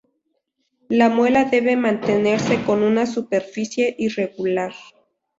La muela debe mantenerse con una superficie irregular.